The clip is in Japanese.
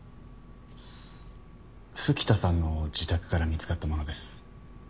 吹田さんの自宅から見つかったものです。